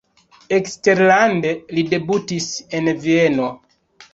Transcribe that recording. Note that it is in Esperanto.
Eksterlande li debutis en Vieno.